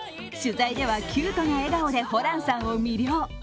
取材ではキュートな笑顔でホランさんを魅了。